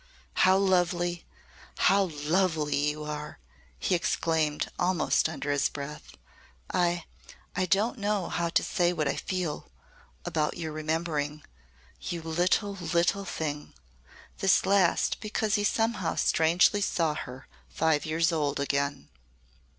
"How lovely how lovely you are!" he exclaimed, almost under his breath. "I I don't know how to say what I feel about your remembering. You little little thing!" This last because he somehow strangely saw her five years old again.